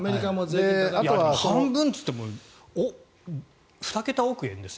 半分といっても２桁億円ですよ。